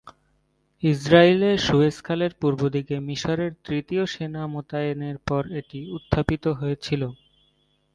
ইসরাইলের সুয়েজ খালের পূর্বদিকে মিসরের তৃতীয় সেনা মোতায়েনের পর এটি উত্থাপিত হয়েছিল।